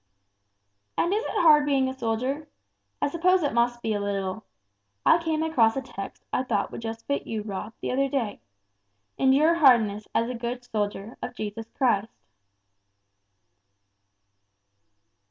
"And is it hard being a soldier? I suppose it must be a little. I came across a text I thought would just fit you, Rob, the other day. 'Endure hardness as a good soldier of Jesus Christ.'"